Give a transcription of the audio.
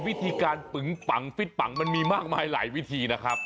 วิธีการปึงปังฟิตปังมันมีมากมายหลายวิธีนะครับ